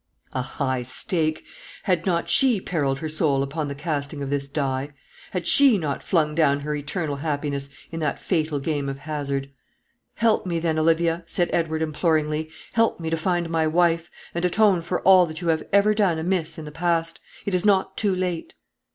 A high stake! Had not she perilled her soul upon the casting of this die? Had she not flung down her eternal happiness in that fatal game of hazard? "Help me, then, Olivia," said Edward, imploringly; "help me to find my wife; and atone for all that you have ever done amiss in the past. It is not too late."